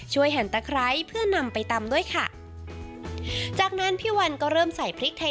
ช่วยแห่นตะไคร้เพื่อนำไปตำด้วยค่ะ